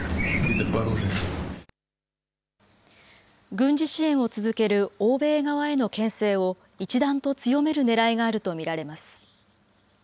軍事支援を続ける欧米側へのけん制を、一段と強めるねらいがあると見られます。